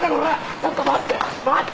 ちょっと待って。